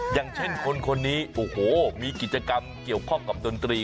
อย่างเช่นคนนี้โอ้โหมีกิจกรรมเกี่ยวข้องกับดนตรี